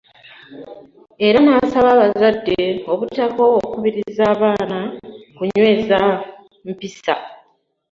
Era n'asaba abazadde obutakoowa kukubiriza baana kunyweza mpisa